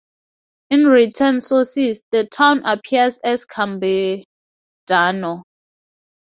In written sources, the town appears as "Cambidano".